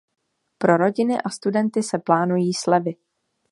Pro rodiny a studenty se plánují slevy.